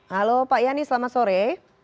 halo pak yani selamat sore